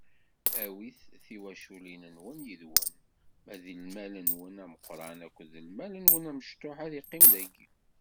Awit tiwaculin-nwen yid-wen, ma d lmal-nwen ameqran akked lmal-nwen amecṭuḥ ad iqqim dagi.